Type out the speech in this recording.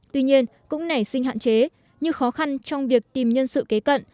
tuy nhiên cũng nảy sinh hạn chế như khó khăn trong việc tìm nhân sự kế cận